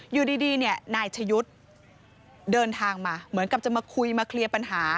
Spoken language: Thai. อยู่ดีเนี่ยนายชะยุทธ์เดินทางมาเหมือนกับจะมาคุยมาเคลียร์ปัญหา